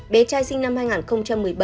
bé trai sinh năm hai nghìn một mươi bảy